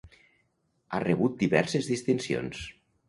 Ha rebut diverses distincions.